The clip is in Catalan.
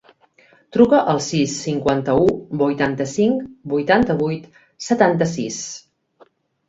Truca al sis, cinquanta-u, vuitanta-cinc, vuitanta-vuit, setanta-sis.